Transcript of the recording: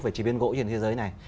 về chế biến gỗ trên thế giới này